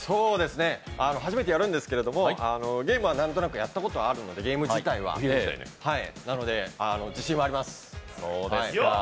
初めてやるんですけれどもゲーム自体はなんとなくやったことあるのでなので、自信はあります。